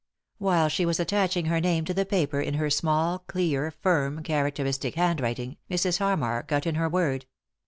While she was attaching her name to the paper in her small, clear, firm, characteristic handwriting, Mrs. Harmar got in her word.